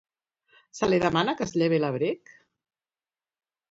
Se li demana que es llevi l'abric?